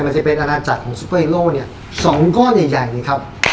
มันจะเป็นอนาจจักรของซูเปอร์เฮโร่เนี้ยสองก้อนใหญ่ใหญ่อย่างงี้ครับ